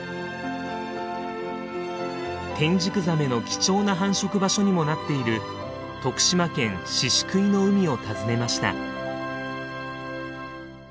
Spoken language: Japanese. テンジクザメの貴重な繁殖場所にもなっている徳島県宍喰の海を訪ねました。